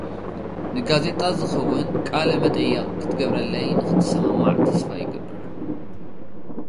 ንጋዜጣ ዝኸውን ቃለ-መጠይቕ ኽትገብረለይ ንኽትሰማማዕ ተስፋ ይገብር።